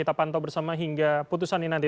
kita pantau bersama hingga putusan ini nanti